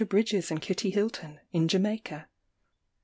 Bridges and Kitty Hylton, in Jamaica.